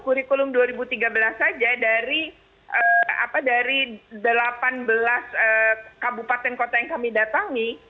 kurikulum dua ribu tiga belas saja dari delapan belas kabupaten kota yang kami datangi